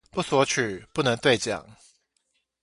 不索取不能對獎